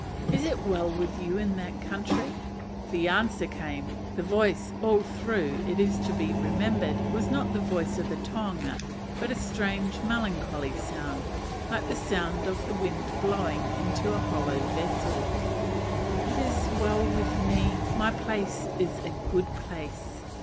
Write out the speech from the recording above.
is it well with you in that country?" The answer came (the voice all through, it is to be remembered, was not the voice of the tohunga, but a strange melancholy sound, like the sound of the wind blowing into a hollow vessel,) "It is well with me: my place is a good place."